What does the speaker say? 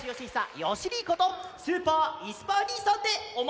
よしにいことスーパーいすパーにいさんでおま。